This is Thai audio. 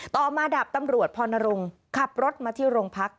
ต่อมาดาบตำรวจพรณรงค์ขับรถมาที่โรงพัก